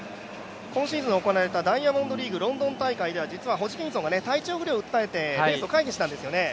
今シーズン行われたダイヤモンドリーグ、ロンドン大会では実はホジキンソンが体調不良を訴えて、回避したんですよね。